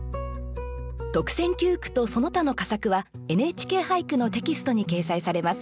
特選九句とその他の佳作は「ＮＨＫ俳句」のテキストに掲載されます。